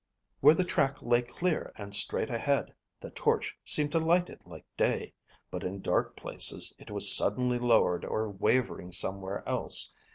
Where the track lay clear and straight ahead the torch seemed to light it like day; but in dark places it was suddenly lowered or wavering somewhere else.